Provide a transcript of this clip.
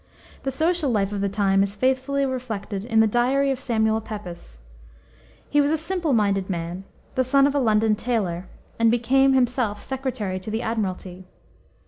The social life of the time is faithfully reflected in the diary of Samuel Pepys. He was a simple minded man, the son of a London tailor, and became, himself, secretary to the admiralty.